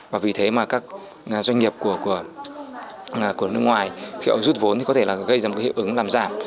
và vì thế mà các doanh nghiệp của nước ngoài khi ông rút vốn thì có thể là gây ra một hiệu ứng làm giảm